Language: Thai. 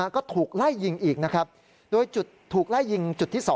ก็ถูกไล่ยิงอีกโดยถูกไล่ยิงจุดที่๒